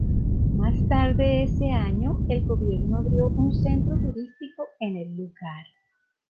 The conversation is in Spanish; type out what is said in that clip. Más tarde ese año, el gobierno abrió un centro turístico en el lugar.